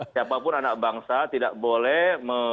siapapun anak bangsa tidak boleh